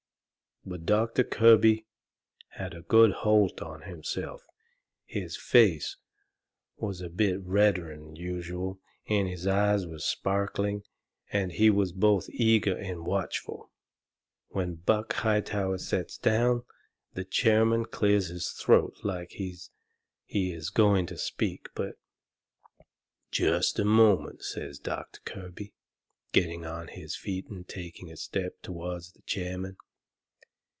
But Doctor Kirby had a good holt on himself; his face was a bit redder'n usual, and his eyes was sparkling, and he was both eager and watchful. When Buck Hightower sets down the chairman clears his throat like he is going to speak. But "Just a moment," says Doctor Kirby, getting on his feet, and taking a step toward the chairman.